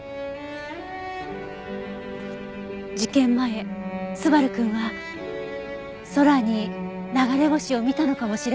事件前昴くんは空に流れ星を見たのかもしれません。